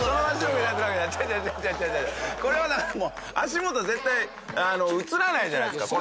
これはだからもう足元絶対映らないじゃないですか